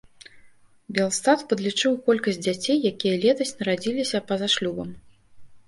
Белстат падлічыў колькасць дзяцей, якія летась нарадзіліся па-за шлюбам.